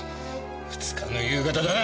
２日の夕方だな。